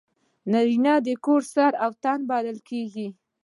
نارینه د کور سر او تنه بلل کېږي.